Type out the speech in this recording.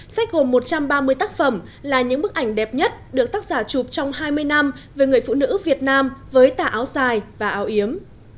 sách gồm một trăm ba mươi tác phẩm là những bức ảnh đẹp nhất được tác giả chụp trong hai mươi năm về người phụ nữ việt nam với tà áo dài và áo yếm